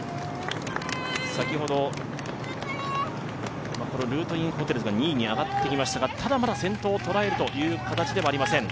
先ほどルートインホテルズが２位に上がってきましたが、まだ先頭を捉えるという形ではありません。